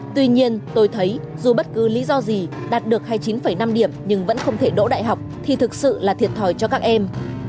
tuy nhiên tôi thấy dù bất cứ lý do gì đạt được hay chín năm điểm nhưng vẫn không thể đỗ đại học thì thực sự là thiệt thòi cho các em